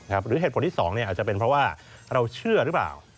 หรือเหตุผลที่๒อาจจะเป็นเพราะว่าเราเชื่อหรือเปล่า